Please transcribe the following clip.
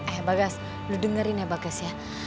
eh bagas lu dengerin ya bagas ya